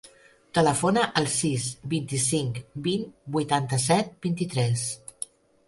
Telefona al sis, vint-i-cinc, vint, vuitanta-set, vint-i-tres.